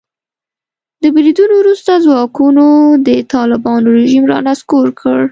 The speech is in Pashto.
د بریدونو وروسته ځواکونو د طالبانو رژیم را نسکور کړ.